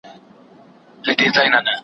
په کمال کي د خبرو یک تنها وو